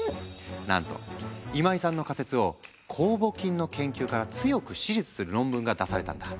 なんと今井さんの仮説を酵母菌の研究から強く支持する論文が出されたんだ。